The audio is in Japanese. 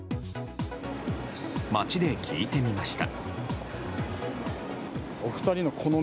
街で聞いてみました。